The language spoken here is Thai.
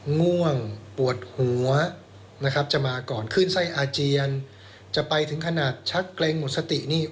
ง่วงปวดหัวนะครับจะมาก่อนขึ้นไส้อาเจียนจะไปถึงขนาดชักเกรงหมดสตินี่